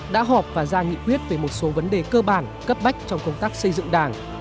đã họp và ra nghị quyết về một số vấn đề cơ bản cấp bách trong công tác xây dựng đảng